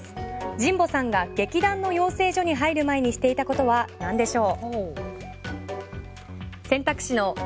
神保さんが劇団の養成所に入る前にしていたことは何でしょう。